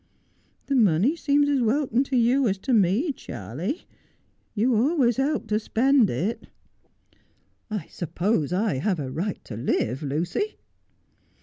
' The money seems as welcome to you as to me, Charley. You always help to spend it.' ' I suppose I have a right to live, Lucy.'